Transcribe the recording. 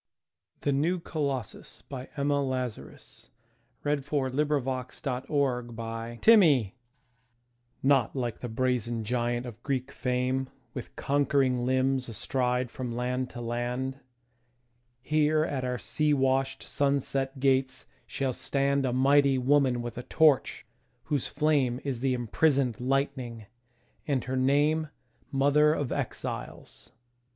The New Colossus Emma Lazarus NOT like the brazen giant of Greek fame, With conquering limbs astride from land to land; Here at our sea washed, sunset gates shall standA mighty woman with a torch, whose flameIs the imprisoned lightning, and her nameMother of Exiles.